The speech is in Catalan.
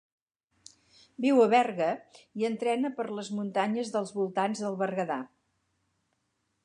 Viu a Berga i entrena per les muntanyes dels voltants del Berguedà.